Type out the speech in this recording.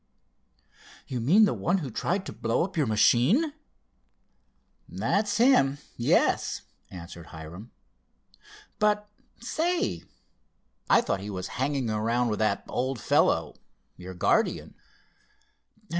"You mean the one who tried to blow up your machine?" "That's him; yes," answered Hiram. "But, say, I thought he was hanging around with that old fellow, your guardian?"